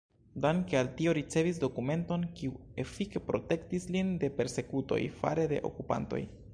Danke al tio ricevis dokumenton, kiu efike protektis lin de persekutoj fare de okupantoj.